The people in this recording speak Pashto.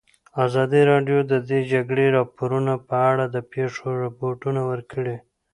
ازادي راډیو د د جګړې راپورونه په اړه د پېښو رپوټونه ورکړي.